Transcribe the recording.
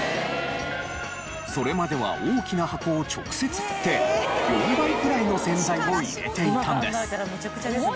それまでは大きな箱を直接振って４倍くらいの洗剤を入れていたんです。